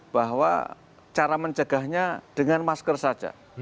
bahwa cara mencegahnya dengan masker saja